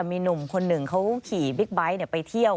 มีหนุ่มคนหนึ่งเขาขี่บิ๊กไบท์ไปเที่ยว